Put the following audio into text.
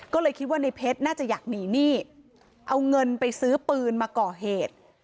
ก็เลยคิดว่าในเพชรน่าจะอยากหนีหนี้เอาเงินไปซื้อปืนมาก่อเหตุ